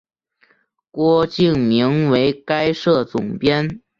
郭敬明为该社总编。